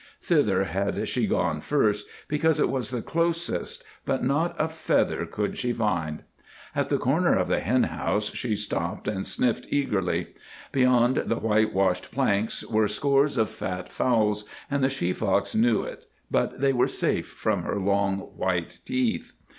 Thither had she gone first, because it was the closest, but not a feather could she find. At the corner of the hen house she stopped and sniffed eagerly. Beyond the white washed planks were scores of fat fowls, and the she fox knew it, but they were safe from her long, white teeth.